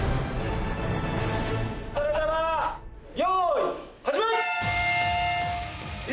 それではよい始め！